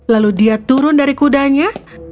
lalu dia turun dari kudanya